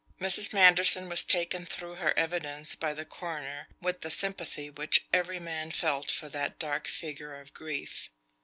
Mrs. Manderson was taken through her evidence by the coroner with the sympathy which every man felt for that dark figure of grief.